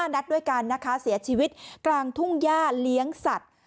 นัดด้วยกันนะคะเสียชีวิตกลางทุ่งย่าเลี้ยงสัตว์